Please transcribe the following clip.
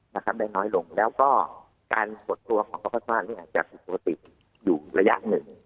หรืออาจจะปกติอยู่ระยะหนึ่ง